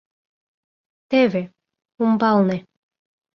— Теве... умбалне...